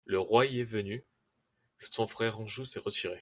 Le roi y est venu ; son frère Anjou s'est retiré.